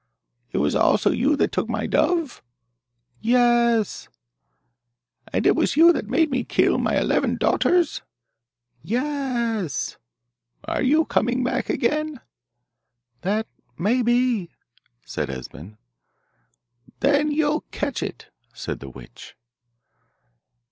'It was also you that took my dove?' 'Ye e s!' 'And it was you that made me kill my eleven daughters?' 'Ye e s!' 'Are you coming back again?' 'That may be,' said Esben. 'Then you'll catch it,' said the witch.